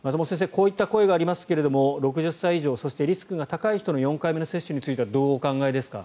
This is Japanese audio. こういった声がありますが６０歳以上そしてリスクが高い人の４回目接種についてはどうお考えですか。